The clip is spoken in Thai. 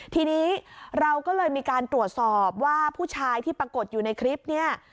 ทีนี้เราก็เลยมีการตรวจสอบว่าผู้ชายที่ปรากฏอยู่ในคลิปเนี่ย